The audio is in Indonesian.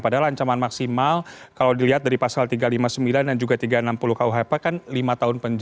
padahal ancaman maksimal kalau dilihat dari pasal tiga ratus lima puluh sembilan dan juga tiga ratus enam puluh kuhp kan lima tahun penjara